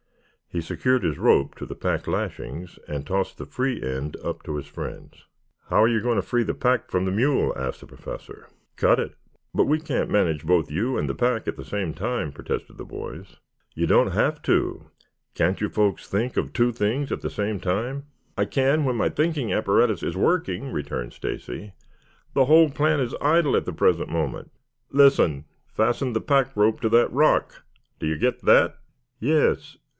He secured his rope to the pack lashings and tossed the free end up to his friends. "How are you going to free the pack from the mule?" asked the Professor. "Cut it." "But we can't manage both you and the pack at the same time," protested the boys. "You don't have to. Can't you folks think of two things at the same time?" "I can when my thinking apparatus is working," returned Stacy. "The whole plant is idle at the present moment." "Listen! Fasten the pack rope to that rock. Do you get that?" "Yes."